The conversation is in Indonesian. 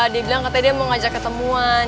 dia bilang katanya dia mau ngajak ketemuan